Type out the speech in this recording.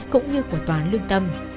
cũng như của toán lương tâm